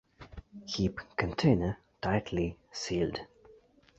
Keep container tightly sealed.